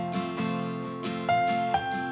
ไทน์ความ